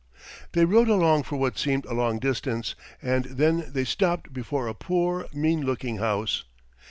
They rode along for what seemed a long distance, and then they stopped before a poor, mean looking house.